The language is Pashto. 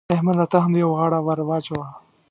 احمده! ته هم يوه غاړه ور واچوه.